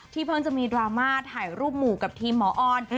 เพิ่งจะมีดราม่าถ่ายรูปหมู่กับทีมหมอออน